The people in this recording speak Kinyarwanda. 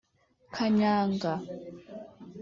kanyanga)